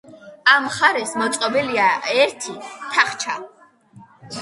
ამ მხარეს მოწყობილია ერთი თახჩა.